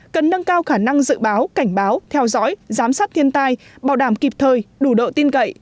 cần nâng cao khả năng dự báo cảnh báo theo dõi giám sát thiên tai bảo đảm kịp thời đủ độ tin cậy